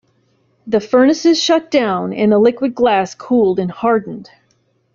The furnaces shut down and the liquid glass cooled and hardened.